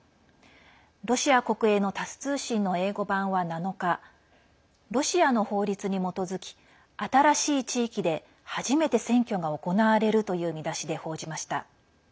ロシア国営のタス通信の英語版は７日、ロシアの法律に基づき新しい地域で、初めて選挙が行われるという見出しで報じました。